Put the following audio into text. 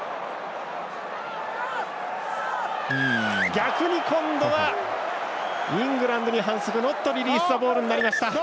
逆に今度はイングランドに反則ノットリリースザボールになりました。